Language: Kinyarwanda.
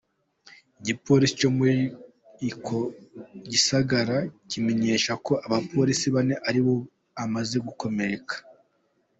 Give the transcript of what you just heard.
Igipolisi co muri ico gisagara kimenyesha ko abapolisi bane ari bob amaze gukomereka.